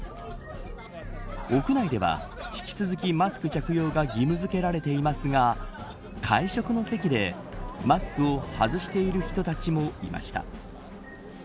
屋内では引き続き、マスク着用が義務付けられていますが会食の席でマスクを外している人たちもいました。